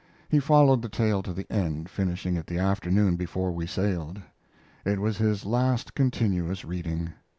He followed the tale to the end, finishing it the afternoon before we sailed. It was his last continuous reading.